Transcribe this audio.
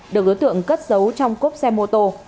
được đối tượng cất giấu trong cốp xe mô tô